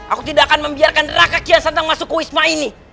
aku tidak akan membiarkan raka kian santang masuk ke wisma ini